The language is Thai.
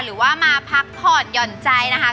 หรือว่ามาพักผ่อนหย่อนใจนะคะ